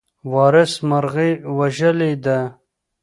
وارث مرغۍ وژلې ده.